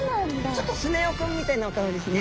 ちょっとスネ夫君みたいなお顔ですね。